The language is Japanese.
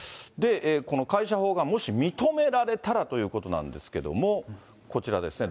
この会社法がもし認められたらということなんですけれども、こちらですね。